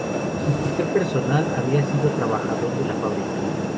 Su chófer personal había sido trabajador de la fábrica.